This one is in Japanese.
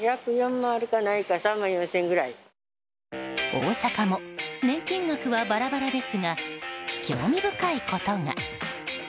大阪も年金額はバラバラですが興味深いことが。